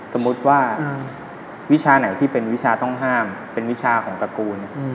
สมมุติว่าวิชาไหนที่เป็นวิชาต้องห้ามเป็นวิชาของตระกูล